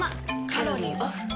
カロリーオフ。